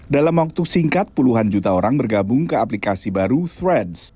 dalam waktu singkat puluhan juta orang bergabung ke aplikasi baru strends